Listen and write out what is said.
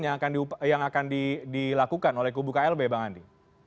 yang akan dilakukan oleh kubu klb bang andi